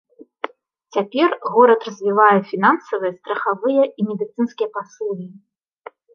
Цяпер горад развівае фінансавыя, страхавыя і медыцынскія паслугі.